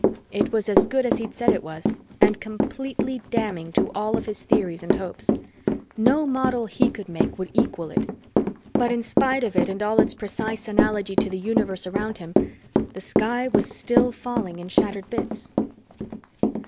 It was as good as he'd said it was and completely damning to all of his theories and hopes. No model he could make would equal it. But in spite of it and all its precise analogy to the universe around him, the sky was still falling in shattered bits!